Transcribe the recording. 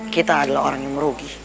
kita adalah orang yang merugi